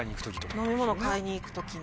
飲み物買いに行く時に。